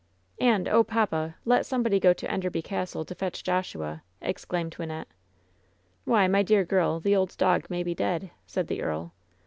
"And, oh, papa, let somebody go to Enderby Castle to fetch Joshua," exclaimed Wynnette. "Why, my dear girl, the old dog may be dead," said the earl.